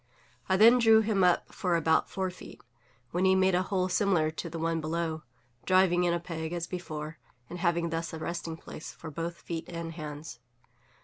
I then drew him up for about four feet, when he made a hole similar to the one below, driving in a peg as before, and having thus a resting place for both feet and hands.